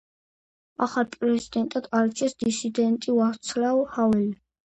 ახალ პრეზიდენტად აირჩიეს დისიდენტი ვაცლავ ჰაველი.